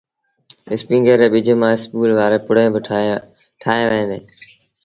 اسپيٚنگر ري ٻج مآݩ اسپگول وآريٚݩ پُڙيٚن با ٺوهيݩ ديٚݩ۔